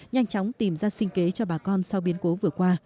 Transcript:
nhanh chóng tìm ra sinh kế cho bà con sau biến cố vừa qua